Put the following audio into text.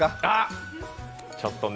あっ！